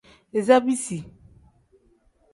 Iza bisi.